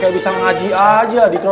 kayak bisa ngaji aja di kro tiga